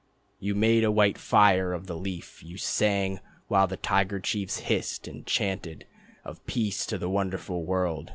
You made a white fire of The Leaf. You sang while the tiger chiefs hissed. You chanted of "Peace to the wonderful world."